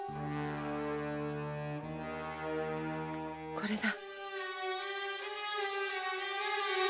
これだ。